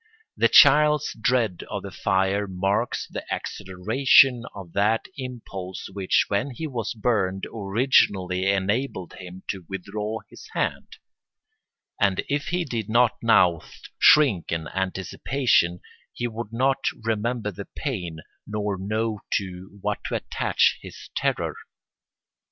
The child's dread of the fire marks the acceleration of that impulse which, when he was burned, originally enabled him to withdraw his hand; and if he did not now shrink in anticipation he would not remember the pain nor know to what to attach his terror.